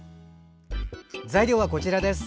材料はこちらです。